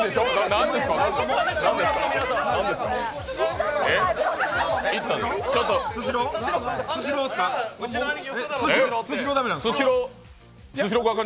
何ですか？